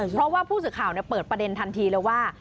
เพราะว่าผู้สื่อข่าวเปิดประเด็นทันทีเลยว่า